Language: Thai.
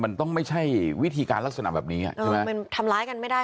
มันต้องไม่ใช่วิธีการลักษณะแบบนี้อ่ะ